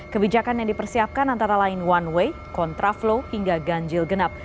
kebijakan yang dipersiapkan antara lain one way contraflow hingga ganjil genap